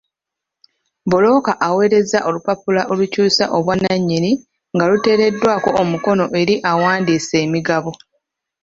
Bbulooka aweereza olupapula olukyusa obwanannyini nga luteereddwako omukono eri awandiisa emigabo.